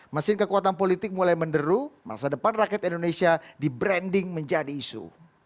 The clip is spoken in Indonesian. mesin kekuatan politik mulai menderu masa depan rakyat indonesia di branding menjadi isu